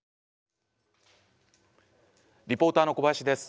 リポーターの小林です。